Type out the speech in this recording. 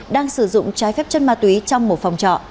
đang sử dụng trái phép chất ma túy trong một phòng trọ